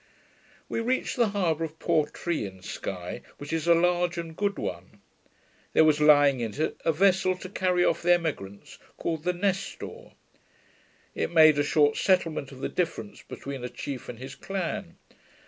We reached the harbour of Portree, in Sky, which is a large and good one. There was lying in it a vessel to carry off the emigrants, called the Nestor. It made a short settlement of the differences between a chief and his clan